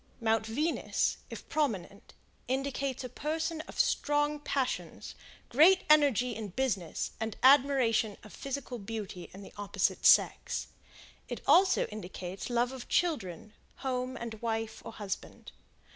Mount Venus, if prominent, indicates a person of strong passions, great energy in business, and admiration of physical beauty in the opposite sex; it also indicates love of children, home and wife, or husband.